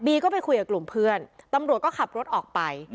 ก็ไปคุยกับกลุ่มเพื่อนตำรวจก็ขับรถออกไป